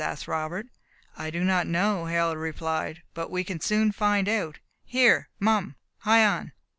asked Robert. "I do not know," Harold replied. "But we can soon find out. Here, Mum, hie on!"